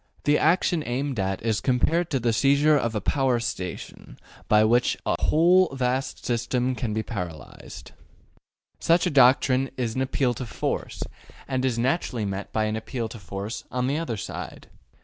The action aimed at is compared to the seizure of a power station, by which a whole vast system can be paralyzed. Such a doctrine is an appeal to force, and is naturally met by an appeal to force on the other side.